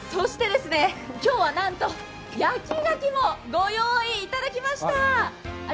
今日はなんと、焼きがきもご用意いただきました。